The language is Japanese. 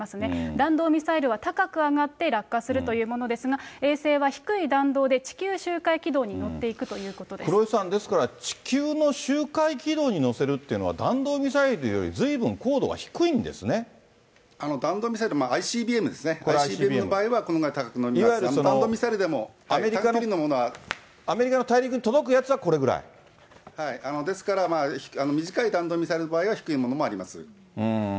弾道ミサイルは高く上がって落下するというものですが、衛星は低い弾道で地球周回軌道に乗ってい黒井さん、地球の周回軌道に乗せるっていうのは、弾道ミサイルよりずいぶん弾道ミサイル、ＩＣＢＭですね、ＩＣＢＭの場合はこのぐらい高くなりますが、アメリカの大陸に届くやつはですから、短い弾道ミサイルの場合は低いものもあります。